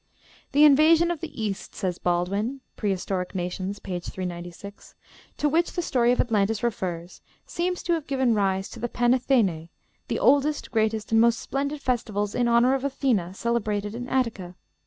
"The invasion of the East," says Baldwin ('Prehistoric Nations,' p. 396), "to which the story of Atlantis refers, seems to have given rise to the Panathenæ, the oldest, greatest, and most splendid festivals in honor of Athena celebrated in Attica.